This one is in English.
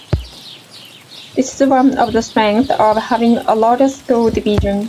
This is one of the strengths of having a larger school division.